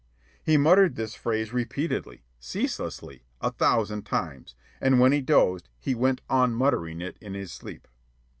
He muttered this phrase repeatedly, ceaselessly, a thousand times; and when he dozed, he went on muttering it in his sleep.